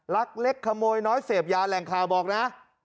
ลักเล็กขโมยน้อยเสพยาแหล่งข่าวบอกนะ